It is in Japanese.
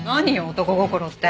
男心って。